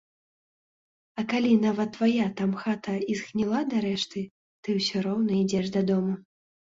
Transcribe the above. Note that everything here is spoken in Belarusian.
А калі нават твая там хата і згніла дарэшты, ты ўсё роўна ідзеш дадому.